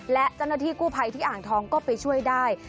และเจ้าหน้าที่กู้ภัยที่อ่างทองก็ไปช่วยได้